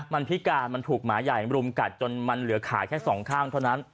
มันพิการมันถูกหมาใหญ่รุมกัดจนมันเหลือขาแค่สองข้างเท่านั้น